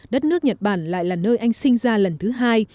đất nước nhật bản lại là nơi anh sinh ra lần thứ hai